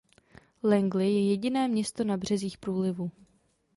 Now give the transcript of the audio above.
Langley je jediné město na březích průlivu.